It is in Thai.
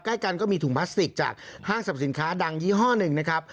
ใกล้กันก็มีถุงพลาสติกจากห้างสรรพสินค้าดังยี่ห้อหนึ่งนะครับ